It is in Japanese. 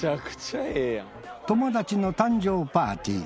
友達の誕生パーティー